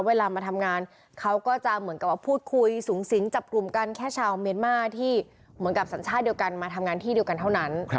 เวลามาทำงานเขาก็จะเหมือนกับว่าพูดคุยสูงสิงจับกลุ่มกันแค่ชาวเมียนมาที่เหมือนกับสัญชาติเดียวกันมาทำงานที่เดียวกันเท่านั้น